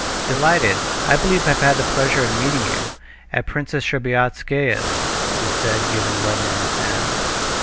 "Delighted! I believe I've had the pleasure of meeting you ... at Princess Shtcherbatskaya's," he said, giving Levin his hand.